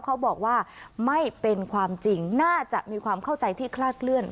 เขาบอกว่าไม่เป็นความจริงน่าจะมีความเข้าใจที่คลาดเคลื่อน